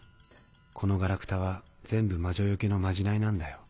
このガラクタは全部魔女よけのまじないなんだよ。